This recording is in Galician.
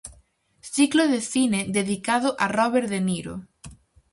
Ciclo de cine dedicado a Robert de Niro.